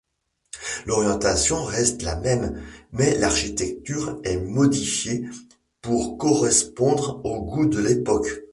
L'orientation reste la même, mais l'architecture est modifiée pour correspondre aux goûts de l'époque.